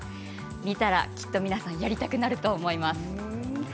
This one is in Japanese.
見たらきっと皆さんやりたくなると思います。